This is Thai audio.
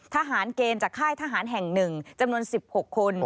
ทหารเกณฑ์จากค่ายทหารแห่ง๑จำนวน๑๖คน